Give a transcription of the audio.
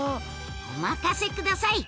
お任せください！